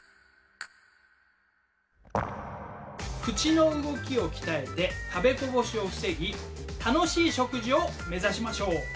口の動きを鍛えて食べこぼしを防ぎ楽しい食事を目指しましょう。